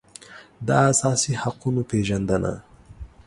د اساسي حقوقو پېژندنه